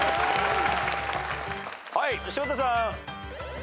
はい柴田さん。